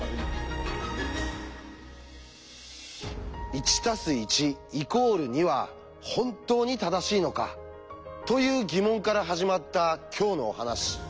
「１＋１＝２」は本当に正しいのかという疑問から始まった今日のお話。